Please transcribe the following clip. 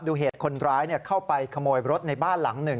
ดูเหตุคนร้ายเข้าไปขโมยรถในบ้านหลังหนึ่ง